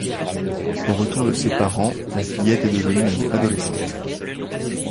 Au retour de ses parents, la fillette est devenue une adolescente.